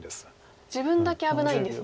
自分だけ危ないんですね。